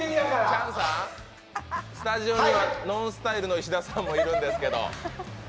スタジオにはＮＯＮＳＴＹＬＥの石田さんもいるんですけど。